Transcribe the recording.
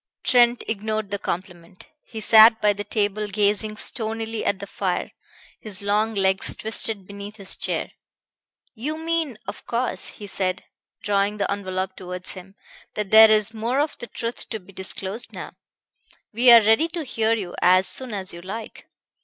Trent ignored the compliment. He sat by the table gazing stonily at the fire, his long legs twisted beneath his chair. "You mean, of course," he said, drawing the envelop towards him, "that there is more of the truth to be disclosed now. We are ready to hear you as soon as you like.